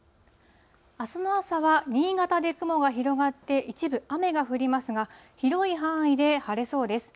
あすの朝は新潟で雲が広がって、一部雨が降りますが、広い範囲で晴れそうです。